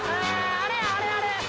あれやあれあれ。